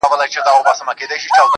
شکر چي هغه يمه شکر دی چي دی نه يمه~